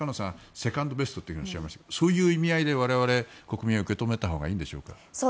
セカンドベストとおっしゃいましたけどそういう意味合いで、我々国民は受け止めたほうがいいんでしょうか。